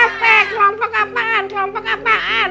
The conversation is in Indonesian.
apa apa kelompok apaan kelompok apaan